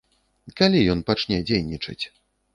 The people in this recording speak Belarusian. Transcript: Калі ён пачне дзейнічаць?